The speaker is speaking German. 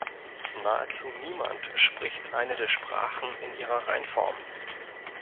Nahezu niemand spricht eine der Sprachen in ihrer Reinform.